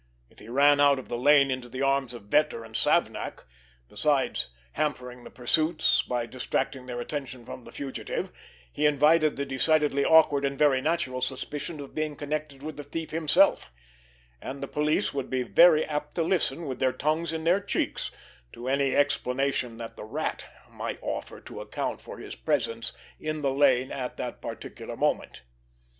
If he ran out of the lane into the arms of Vetter and Savnak, besides hampering the pursuit by distracting their attention from the fugitive, he invited the decidedly awkward and very natural suspicion of being connected with the thief himself; and the police would be very apt to listen with their tongues in their cheeks to any explanation that the Rat might offer to account for his presence in the lane at that particular moment!